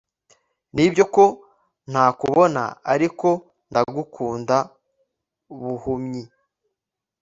nibyo ko ntakubona ariko ndagukunda buhumyi